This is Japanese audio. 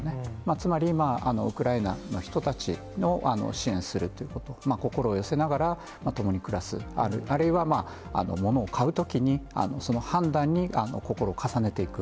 つまりウクライナの人たちを支援するということ、心を寄せながら共に暮らす、あるいは、ものを買うときに、その判断に心を重ねていく。